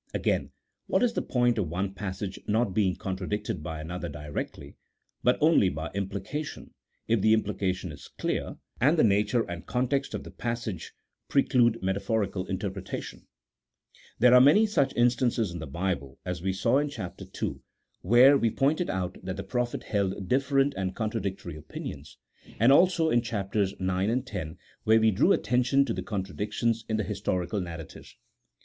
Again, what is the point of one passage, not being contra dicted by another directly, but only by implication, if the implication is clear, and the nature and context of the pas sage preclude metaphorical interpretation ? There are many such instances in the Bible, as we saw in Chap. II. (where we pointed out that the prophets held different and contra dictory opinions), and also in Chaps. IX. and X., where we drew attention to the contradictions in the historical narra tives.